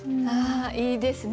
あいいですね